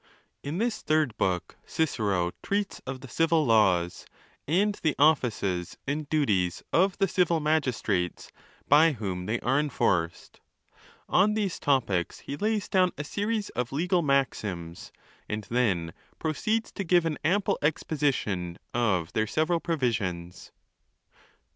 In this Third' Book Cicero treats of the civil laws, and the offices and duties of the civil magistrates by whom they are enforced. On these topics he lays down a series of legal maxims, and then proceeds to give an ample exposition of their several provisions.